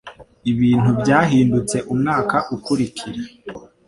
Ibintu byahindutse umwaka ukurikira.